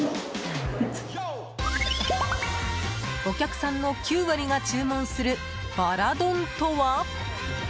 お客さんの９割が注文するバラ丼とは？